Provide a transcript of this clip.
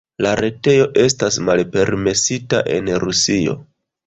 La retejo estas malpermesita en Rusio.